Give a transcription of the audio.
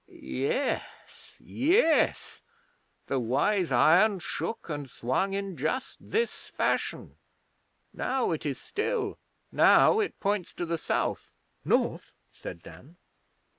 'Yes, yes! The Wise Iron shook and swung in just this fashion. Now it is still. Now it points to the South.' 'North,' said Dan.